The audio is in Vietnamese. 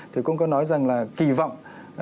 thì cũng có nói rằng là kỳ vọng